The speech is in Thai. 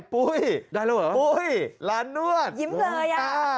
ปุ้ยได้แล้วเหรอปุ้ยร้านนวดยิ้มเลยอ่ะ